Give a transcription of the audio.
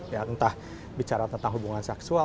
ya entah bicara tentang hubungan seksual